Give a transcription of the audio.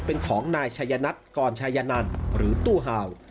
เป็นของนายชายนัตริย์กรชายนันตร์หรือตู้หาว